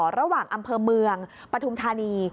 ระหว่างอำเภอเมืองปทุมธานี